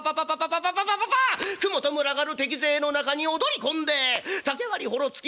くもと群がる敵勢の中に躍り込んで竹割りほろつき